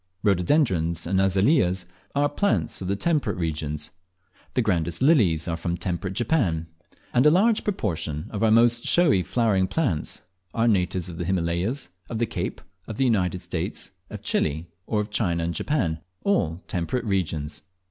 Rhododendrons and azaleas are plants of temperate regions, the grandest lilies are from temperate Japan, and a large proportion of our most showy flowering plants are natives of the Himalayas, of the Cape, of the United States, of Chili, or of China and Japan, all temperate regions.